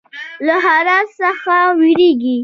له ښرا څخه ویریږي.